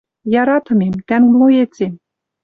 Яратымем, тӓнг млоецем